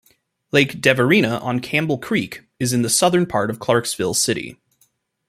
Lake Deverina on Campbell Creek is in the southern part of Clarksville City.